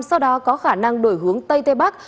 sau đó có khả năng đổi hướng tây tây bắc